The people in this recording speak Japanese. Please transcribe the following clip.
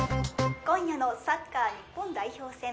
今夜のサッカー日本代表戦。